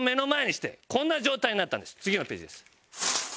次のページです。